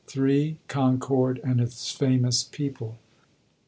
CONCORD AND ITS FAMOUS PEOPLE.